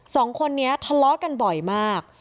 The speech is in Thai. สองคนนี้ทะเลาะกันบ่อยมาก